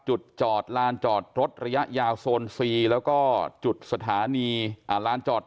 จุดจอดลานจอดรถระยะยาวโซนซีแล้วก็จุดสถานีลานจอด